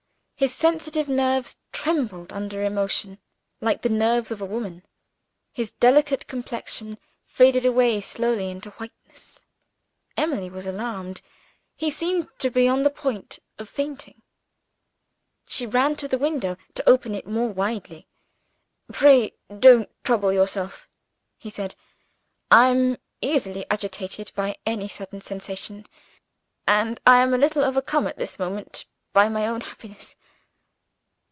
His sensitive nerves trembled under emotion, like the nerves of a woman; his delicate complexion faded away slowly into whiteness. Emily was alarmed he seemed to be on the point of fainting. She ran to the window to open it more widely. "Pray don't trouble yourself," he said, "I am easily agitated by any sudden sensation and I am a little overcome at this moment by my own happiness."